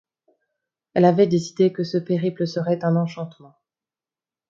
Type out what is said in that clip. Elle avait décidé que ce périple serait un enchantement.